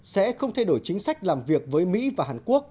sẽ không thay đổi chính sách làm việc với mỹ và hàn quốc